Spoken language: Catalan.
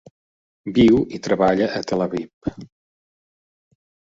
Viu i treballa a Tel Aviv.